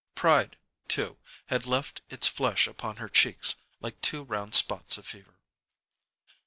Pride, too, had left its flush upon her cheeks, like two round spots of fever.